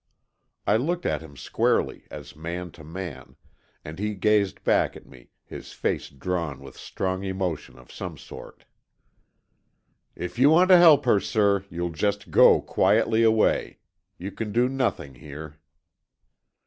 I looked at him squarely, as man to man, and he gazed back at me, his face drawn with strong emotion of some sort. "If you want to help her, sir, you'll just go quietly away. You can do nothing here."